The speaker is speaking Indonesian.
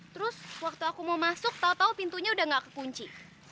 terus waktu aku mau masuk tau tau pintunya udah gak kekunci